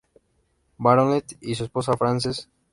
Baronet y su esposa, Frances.